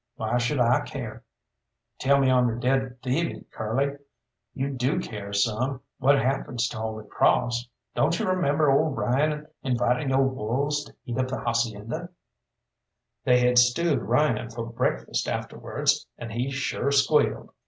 "Why should I care?" "Tell me on the dead thieving Curly, you do care some what happens to Holy Cross? Don't you remember old Ryan inviting yo' wolves to eat up the Hacienda?" "They had stewed Ryan for breakfast afterwards, and he sure squealed!"